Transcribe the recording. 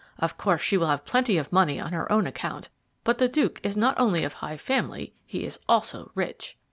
Of course, she will have plenty of money on her own account; but the Duke is not only of high family, he is also rich.